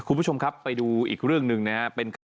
คุณผู้ชมครับไปดูอีกเรื่องหนึ่งนะครับ